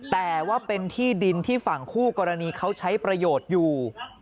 แต่ว่าเป็นที่ดินที่ฝั่งคู่กรณีเขาใช้ประโยชน์อยู่